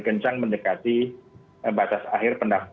ini yang menarikkan begitu bukti yang seribu tujuh ratus dua flip flops